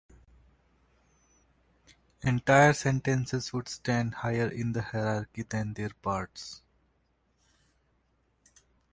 Entire sentences would stand higher in the hierarchy than their parts.